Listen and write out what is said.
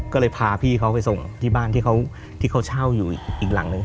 ก็เลยพาพี่เขาไปส่งที่บ้านที่เขาเช่าอยู่อีกหลังหนึ่ง